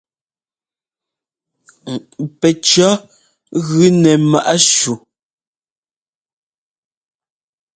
Pɛcɔ̌ gʉ nɛ ḿmaꞌ shú.